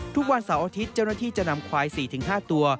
ทุกวันเสาร์อาทิตย์เจ้าหน้าที่จะนำควาย๔๕ตัว